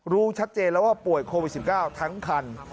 รู้ชัดเจนแล้วว่าป่วยโควิด๑๙ทั้งคัน